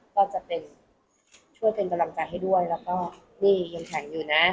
ก็จะเป็นช่วยเป็นกำลังใจให้ด้วยแล้วก็นี่ยังแข็งอยู่นะ